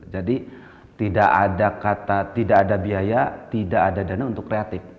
jadi tidak ada kata tidak ada biaya tidak ada dana untuk kreatif